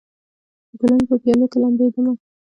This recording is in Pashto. د ګلونو په پیالو کې لمبېدمه